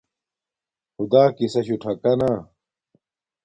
خدݳ کِسَشُݸ ٹھَکݳ نݳ.